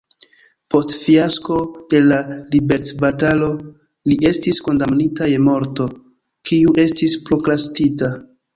Post fiasko de la liberecbatalo li estis kondamnita je morto, kiu estis prokrastita.